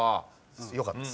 よかったです。